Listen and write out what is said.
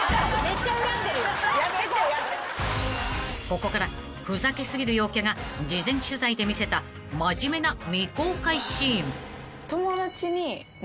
［ここからふざけ過ぎる陽キャが事前取材で見せた真面目な未公開シーン］